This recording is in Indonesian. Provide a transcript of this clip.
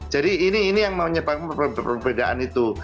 jadi ini yang menyebabkan perbedaan itu